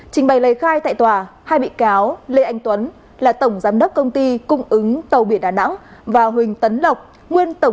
trình bày lời khai tại tòa hai bị cáo lê anh tuấn là tổng giám đốc công ty cung ứng tàu biển đà nẵng